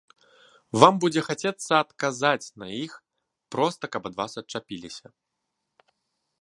Вам будзе хацецца адказаць на іх, проста каб ад вас адчапіліся.